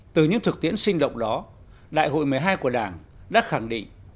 từ những thực tiễn sinh động đó đại hội một mươi hai của đảng đã khẳng định